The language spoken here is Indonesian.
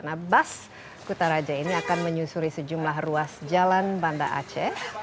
nah bas kutaraja ini akan menyusuri sejumlah ruas jalan banda aceh